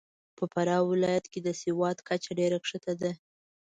په فراه ولایت کې د سواد کچه ډېره کښته ده .